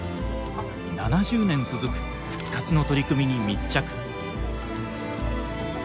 ７０年続く復活の取り組みに密着。